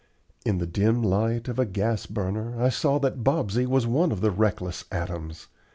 In the dim light of a gas burner I saw that Bobsey was one of the reckless atoms.